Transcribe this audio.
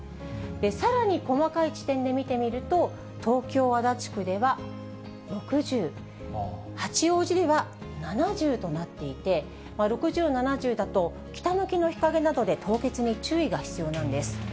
さらに細かい地点で見てみると、東京・足立区では６０、八王子では７０となっていて、６０、７０だと北向きの日陰などで凍結に注意が必要なんです。